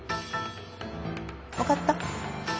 分かった？